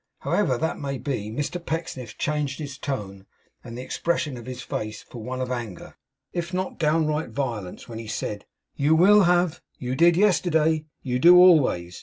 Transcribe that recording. However that may be, Mr Pecksniff changed his tone and the expression of his face for one of anger, if not downright violence, when he said: 'You will! you have. You did yesterday. You do always.